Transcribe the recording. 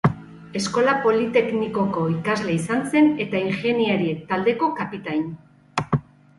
Eskola Politeknikoko ikasle izan zen, eta ingeniari-taldeko kapitain.